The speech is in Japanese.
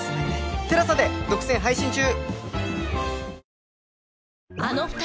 ＴＥＬＡＳＡ で独占配信中！